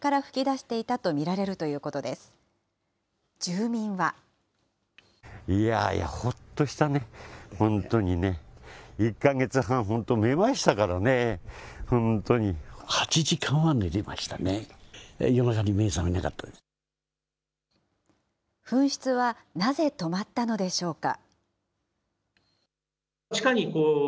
噴出はなぜ止まったのでしょうか。